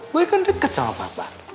boy kan deket sama papa